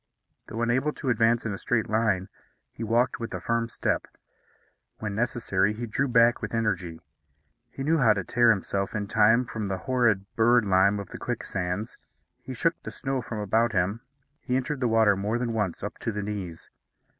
Though unable to advance in a straight line, he walked with a firm step. When necessary, he drew back with energy. He knew how to tear himself in time from the horrid bird lime of the quicksands. He shook the snow from about him. He entered the water more than once up to the knees.